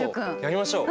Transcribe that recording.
やりましょう！